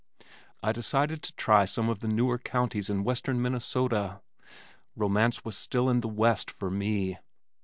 I decided to try some of the newer counties in western Minnesota. Romance was still in the West for me.